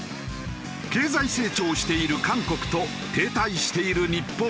経済成長している韓国と停滞している日本。